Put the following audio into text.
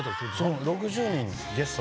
そう６０人ゲスト。